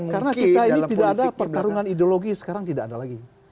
karena kita ini tidak ada pertarungan ideologi sekarang tidak ada lagi